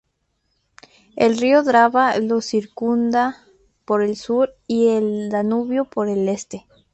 El río Drava lo circunda por el sur y el Danubio por el este.